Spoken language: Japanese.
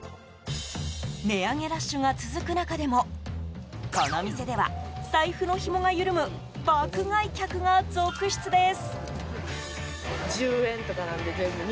値上げラッシュが続く中でもこの店では、財布のひもが緩む爆買い客が続出です。